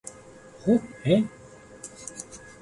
Ho hé!